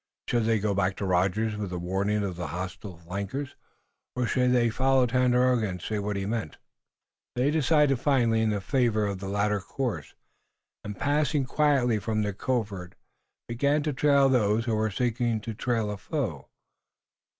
Should they go back to Rogers with a warning of the hostile flankers, or should they follow Tandakora and see what he meant? They decided finally in favor of the latter course, and passing quietly from their covert, began to trail those who were seeking to trail a foe.